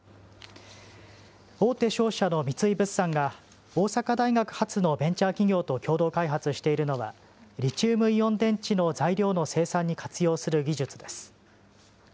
大手商社の三井物産が大阪大学発のベンチャー企業と共同開発しているのは、リチウムイオン電池の材料の生産に活用する技術です。